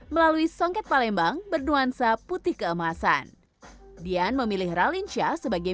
melalui songket palembang bernuansa putih keemasan dian memilih ralinsyah sebagai